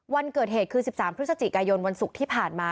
วันเกิดเหตุคือ๑๓พฤศจิกายนวันศุกร์ที่ผ่านมา